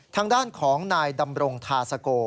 ทางด้านของนายดำรงทาสโก